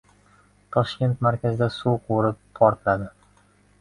Toshkent markazida suv quvuri «portladi»